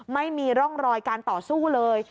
ไม่มีร่องรอยการต่อสู้เลย